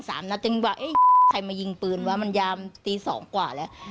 สามนัดจึงว่าเอ๊ะใครมายิงปืนวะมันยามตีสองกว่าแล้ว